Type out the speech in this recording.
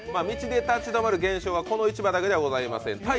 道で立ち止まる現象はこの市場だけではございません。